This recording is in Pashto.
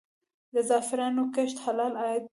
د زعفرانو کښت حلال عاید دی؟